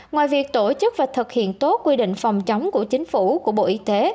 ngoài việc tổ chức và thực hiện tốt quy định phòng chống của chính phủ của bộ y tế